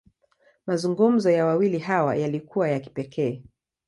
Mazungumzo ya wawili hawa, yalikuwa ya kipekee.